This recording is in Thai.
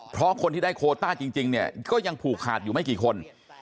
เพราะคนที่ได้โคต้าจริงเนี่ยก็ยังผูกขาดอยู่ไม่กี่คน